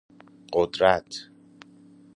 قدرت